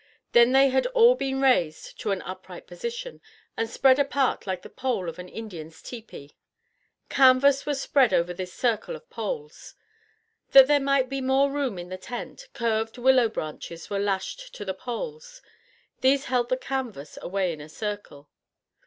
Then they had all been raised to an upright position and spread apart like the pole of an Indian's tepee. Canvas was spread over this circle of poles. That there might be more room in the tent, curved willow branches were lashed to the poles. These held the canvas away in a circle.